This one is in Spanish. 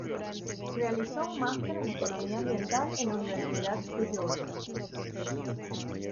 Realizó un máster en Economía Ambiental en la Universidad de York.